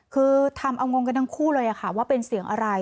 คือทำเอางงกันทั้งคู่เลยค่ะว่าเป็นเสียงอะไร